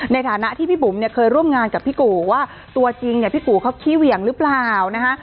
ในฐานะที่พี่บุ๋มเนี่ยเคยร่วมงานกับพี่กู่ว่าตัวจริงเนี่ยพี่กูเขาขี้เหวี่ยงหรือเปล่านะคะ